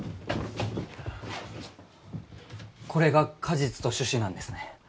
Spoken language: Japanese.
これが果実と種子なんですね。